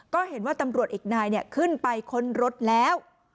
ก็เห็นว่าตำรวจอีกนายขึ้นไปค้นรถแล้ว